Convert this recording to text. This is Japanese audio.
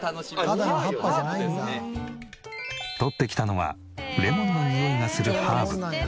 とってきたのはレモンのにおいがするハーブ。